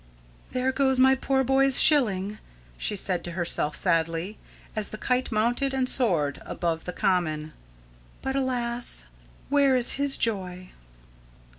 "There goes my poor boy's shilling," she said to herself sadly, as the kite mounted and soared above the common; "but, alas, where is his joy?"